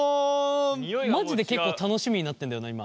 マジで結構楽しみになってんだよな今毎回毎回。